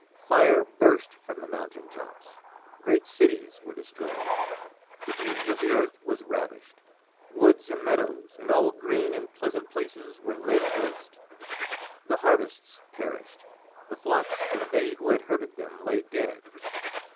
Fire burst from the mountain tops, great cities were destroyed. The beauty of the earth was ravished, woods and meadows and all green and pleasant places were laid waste. The harvests perished, the flocks and they who had herded them lay dead.